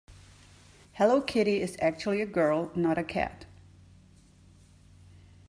Hello Kitty is actually a girl, not a cat.